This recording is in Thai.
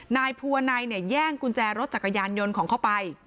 นายภูวนัยเนี่ยแย่งกุญแจรถจักรยานยนต์ของเขาไป